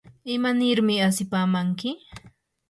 ¿imanirmi asipamanki?